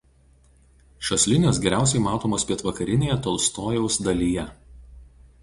Šios linijos geriausiai matomos pietvakarinėje Tolstojaus dalyje.